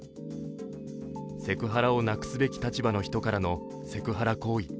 セクハラをなくすべき立場の人からのセクハラ行為。